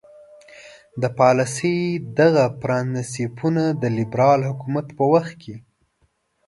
د پالیسۍ دغه پرنسیپونه د لیبرال حکومت په وخت کې.